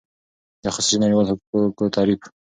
د خصوصی نړیوالو حقوقو تعریف :